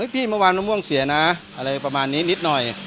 พี่เมื่อวานมะม่วงเสียนะอะไรประมาณนี้นิดหน่อย